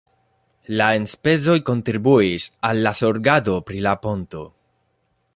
La enspezoj kontribuis al la zorgado pri la ponto.